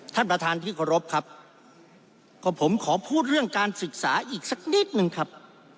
ท่านประธานที่เคารพครับก็ผมขอพูดเรื่องการศึกษาอีกสักนิดนึงครับ